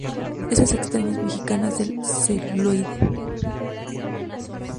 Esas extrañas mexicanas del celuloide.